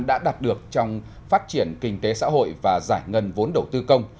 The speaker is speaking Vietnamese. đã đạt được trong phát triển kinh tế xã hội và giải ngân vốn đầu tư công